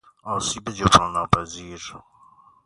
آسیب جبران ناپذیر